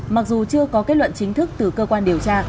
mặc dù chưa có kết luận chính thức từ cơ quan điều tra